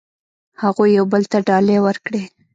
هغوی یو بل ته ډالۍ ورکړې.